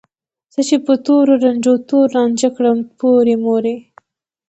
زه چې په تورو سترګو تور رانجه کړم پورې مورې